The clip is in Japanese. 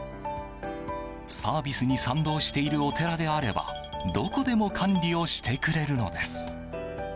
サービスに賛同しているお寺であればどこでも管理をしてくれるのです。